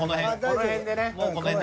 もうこの辺。